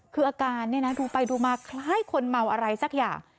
คืออาการเนี่ยนะดูไปดูมาคล้ายคนเมาอะไรสักอย่าง